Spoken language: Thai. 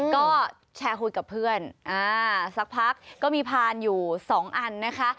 ก็แชร์คุยกับเพื่อนสักพักก็มีพานอยู่สองอันนะคะ